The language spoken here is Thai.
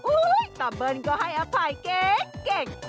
ต่อเบิ้ลก็ให้อภัยเก่ง